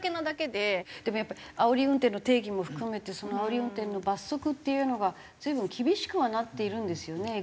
でもやっぱあおり運転の定義も含めてあおり運転の罰則っていうのが随分厳しくはなっているんですよね江口さん。